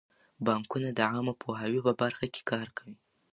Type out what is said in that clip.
بانکونه د عامه پوهاوي په برخه کې کار کوي.